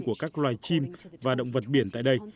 của các loài chim và động vật biển tại đây